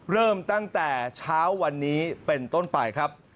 เริ่มตั้งแต่เช้าวันนี้เป็นต้นไปครับ